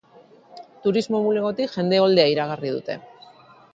Turismo bulegotik jende oldea iragarri dute.